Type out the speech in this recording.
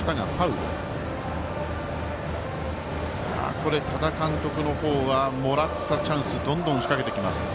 ここ、多田監督の方はもらったチャンスどんどん仕掛けてきます。